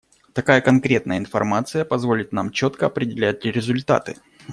Такая конкретная информации позволит нам четко определять результаты.